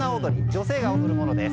女性が踊るものです。